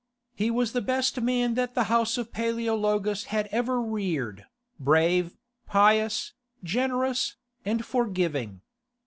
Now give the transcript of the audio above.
He was the best man that the house of Paleologus had ever reared, brave, pious, generous, and forgiving.